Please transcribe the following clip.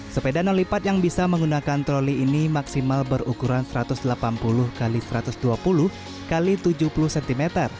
sepeda non lipat yang bisa menggunakan troli ini maksimal berukuran satu ratus delapan puluh x satu ratus dua puluh x tujuh puluh cm